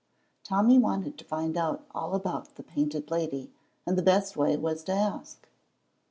Tommy wanted to find out all about the Painted Lady, and the best way was to ask.